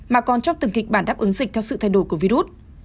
mà còn trong từng kịch bản đáp ứng dịch theo sự thay đổi của virus